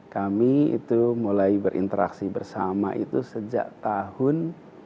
kami itu mulai berinteraksi bersama itu sejak tahun dua ribu sebelas